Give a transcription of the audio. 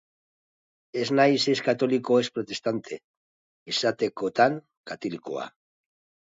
Ez naiz ez katoliko ez protestante; izatekotan katilukoa.